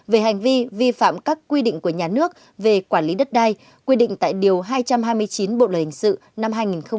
về hành vi vi phạm các quy định của nhà nước về quản lý đất đai quy định tại điều hai trăm hai mươi chín bộ luật hình sự năm hai nghìn một mươi năm